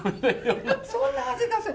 そんな味がする。